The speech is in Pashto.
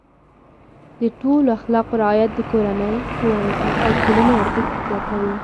د ښو اخلاقو رعایت د کورنۍ، ښوونځي او ټولنې ارزښت زیاتوي.